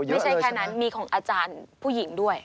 ไม่ใช่แค่นั้นมีของอาจารย์ผู้หญิงด้วย